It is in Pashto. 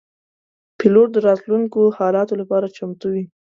پیلوټ د راتلونکو حالاتو لپاره چمتو وي.